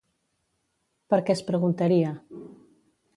Per què es preguntaria?